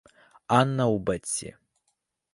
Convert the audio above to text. Анна у Бетси.